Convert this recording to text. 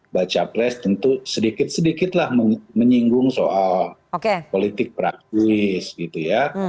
baca pres tentu sedikit sedikitlah menyinggung soal politik praktis gitu ya